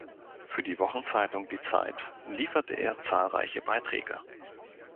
Für die Wochenzeitung "Die Zeit" lieferte er zahlreiche Beiträge.